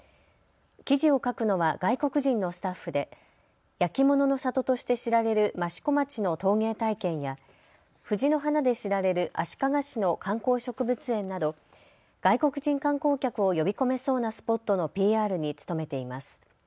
記事を書くのは外国人のスタッフで焼き物の里として知られる益子町の陶芸体験や藤の花で知られる足利市の観光植物園など外国人観光客を呼び込めそうなスポットのＰＲに努めています。